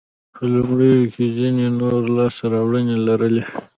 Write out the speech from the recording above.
په لومړیو کې یې ځیني نورې لاسته راوړنې لرلې.